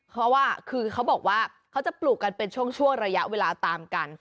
เพราะว่าคือเขาบอกว่าเขาจะปลูกกันเป็นช่วงระยะเวลาตามกัน